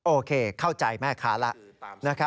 โอเคเข้าใจแม่ค้าแล้ว